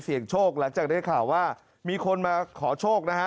โชคหลังจากได้ข่าวว่ามีคนมาขอโชคนะฮะ